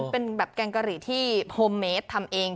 เป็นแบบแกงกะหรี่ที่โฮมเมดทำเอง